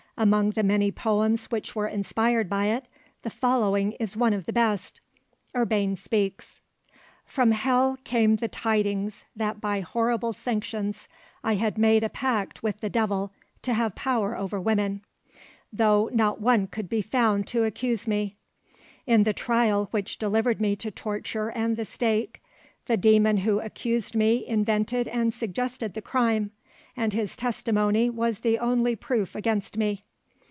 Among the many poems which were inspired by it, the following is one of the best. Urbain speaks: "From hell came the tidings that by horrible sanctions I had made a pact with the devil to have power over women: Though not one could be found to accuse me. In the trial which delivered me to torture and the stake, The demon who accused me invented and suggested the crime, And his testimony was the only proof against me.